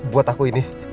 buat aku ini